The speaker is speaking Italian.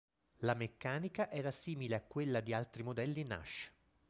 La meccanica era simile a quella di altri modelli Nash.